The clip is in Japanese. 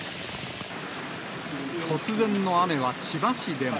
突然の雨は千葉市でも。